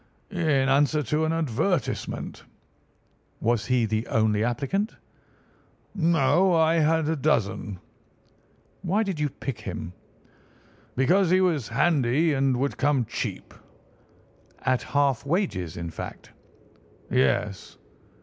"In answer to an advertisement." "Was he the only applicant?" "No, I had a dozen." "Why did you pick him?" "Because he was handy and would come cheap." "At half wages, in fact." "Yes."